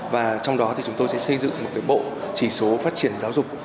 và trong đó thì chúng tôi sẽ xây dựng một bộ chỉ số phát triển giáo dục